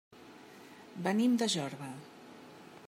Venim de Jorba.